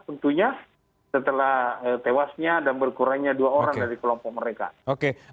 tentunya setelah tewasnya dan berkurangnya dua orang dari kelompok mereka